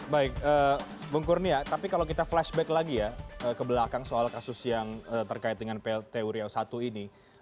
baik bung kurnia tapi kalau kita flashback lagi ya ke belakang soal kasus yang terkait dengan plt uriau i ini